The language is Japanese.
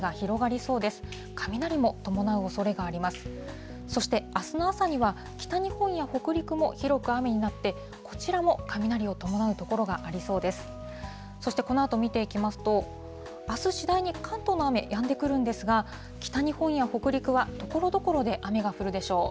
そして、このあと見ていきますと、あす次第に関東の雨、やんでくるんですが、北日本や北陸は、ところどころで雨が降るでしょう。